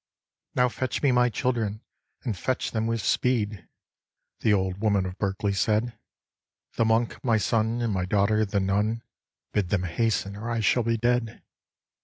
'Now fetch me my children, and fetch them with speed,' The Old Woman of Berkeley said, 'The Monk my son, and my daughter the Nun, Bid them hasten or I shall be dead.'